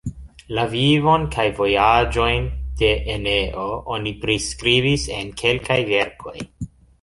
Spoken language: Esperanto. La vivon kaj vojaĝojn de Eneo oni priskribis en kelkaj verkoj.